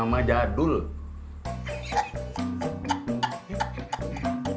apa habisnya udah tanya sedikit